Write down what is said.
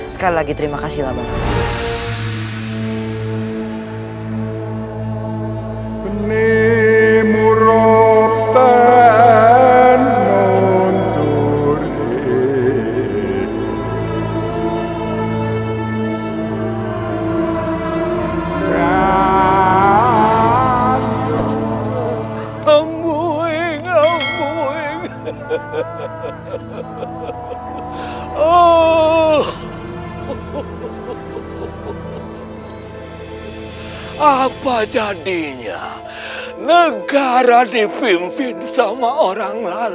sekali lagi terima kasih laba laba